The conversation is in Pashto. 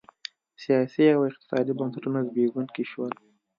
سیاسي او اقتصادي بنسټونه زبېښونکي شول